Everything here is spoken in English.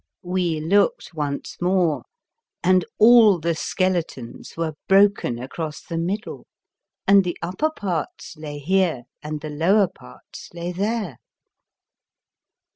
We looked once more, and all the skeletons were broken across the mid dle, and the upper parts lay here and the lower parts lay there.